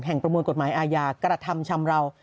ประมวลกฎหมายอาญากระทำชำราว